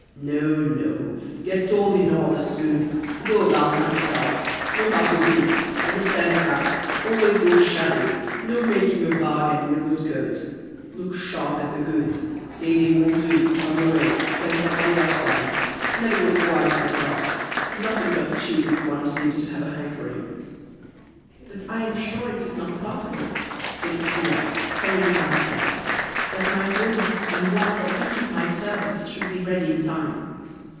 "No, no; get all in order soon; go about myself; know how to bid; understand trap; always go shabby; no making a bargain in a good coat. Look sharp at the goods; say they won't do; come away; send somebody else for 'em. Never go twice myself; nothing got cheap if one seems to have a hankering." "But I am sure it is not possible," said Cecilia, hurrying down stairs, "that my room, and one for each of my servants, should be ready in time."